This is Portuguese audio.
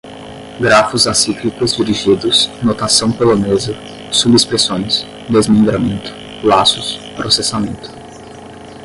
grafos acíclicos dirigidos, notação polonesa, subexpressões, desmembramento, laços, processamento